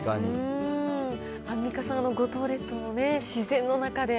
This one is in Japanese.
アンミカさん、五島列島の自然の中で。